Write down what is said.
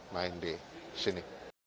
main di sini